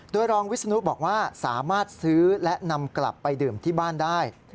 โดยรองวิศนุบอกว่าสามารถซื้อและนำกลับไปดื่มที่บ้านได้